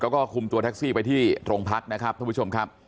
แล้วก็คุมตัวแท็กซี่ไปที่โรงพักนะครับท่านผู้ชมครับ